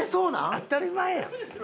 当たり前やん。